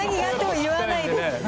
言わないです。